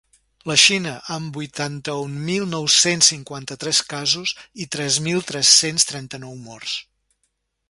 La Xina, amb vuitanta-un mil nou-cents cinquanta-tres casos i tres mil tres-cents trenta-nou morts.